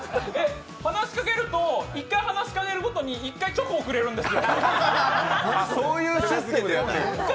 話しかけると、１回話しかけるごとに１回チョコをくれるんですよ。